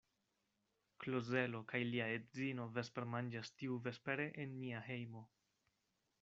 Klozelo kaj lia edzino vespermanĝas tiuvespere en nia hejmo.